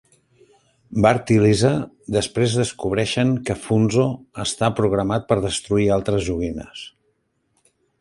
Bart i Lisa després descobreixen que Funzo està programat per destruir altres joguines.